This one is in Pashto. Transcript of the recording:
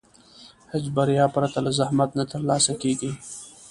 هېڅ بریا پرته له زحمت نه ترلاسه کېږي.